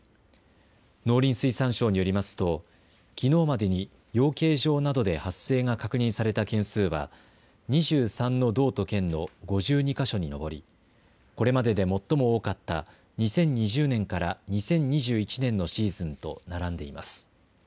農林水産省によりますと、きのうまでに養鶏場などで発生が確認された件数は、２３の道と県の５２か所に上り、これまでで最も多かった２０２０年から２０２１年のシーズンと並んでいます。